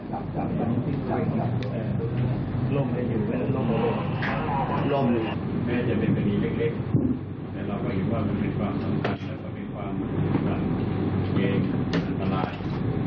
แต่เราก็คิดว่ามันเป็นความสำคัญและมันเป็นความเก่งอันตราย